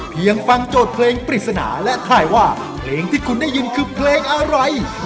ฟังโจทย์เพลงปริศนาและถ่ายว่าเพลงที่คุณได้ยินคือเพลงอะไร